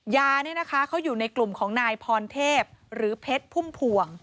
ยาอยู่ในกลุ่มของนายพรเทพหรือเพชรพุ่มพวง